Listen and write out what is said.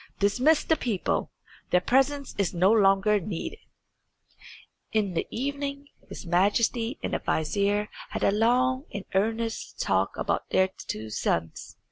"Dismiss the people. Their presence is no longer needed." In the evening his Majesty and the vizier had a long and earnest talk about their two sons.